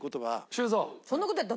修造。